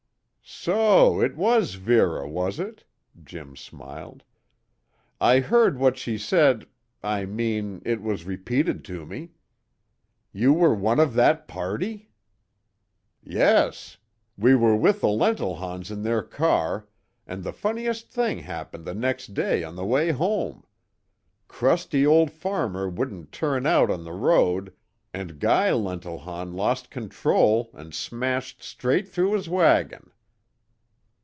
"So it was Vera, was it?" Jim smiled. "I heard what she said I mean, it was repeated to me. You were one of that party?" "Yes. We were with the Lentilhons in their car, and the funniest thing happened the next day on the way home! Crusty old farmer wouldn't turn out on the road, and Guy Lentilhon lost control and smashed straight through his wagon!"